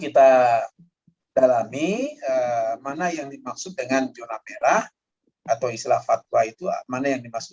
kita dalami mana yang dimaksud dengan zona merah atau istilah fatwa itu mana yang dimaksud